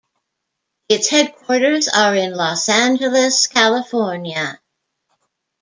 Its headquarters are in Los Angeles, California.